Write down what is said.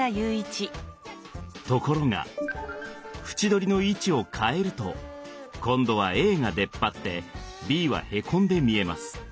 ところが縁取りの位置を変えると今度はＡが出っ張ってＢはへこんで見えます。